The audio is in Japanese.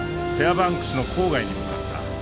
バンクスの郊外に向かった。